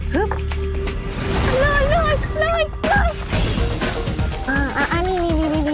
เลยเลยเลยเลยอ่าอ่านี่นี่นี่นี่นี่